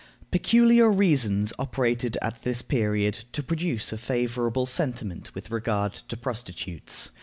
Peculiar reasons operated at this period to produce a favorable sentiment with regard to prostitutes.